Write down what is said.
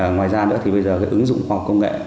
ngoài ra nữa thì bây giờ cái ứng dụng khoa học công nghệ